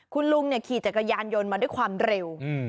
คุณลุงขี่จักรยานยนต์มาด้วยความเร็ว